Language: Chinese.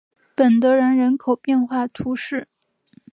本德然人口变化图示